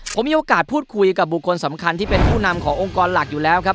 ผมมีโอกาสพูดคุยกับบุคคลสำคัญที่เป็นผู้นำขององค์กรหลักอยู่แล้วครับ